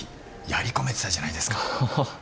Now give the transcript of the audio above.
やり込めてたじゃないですか。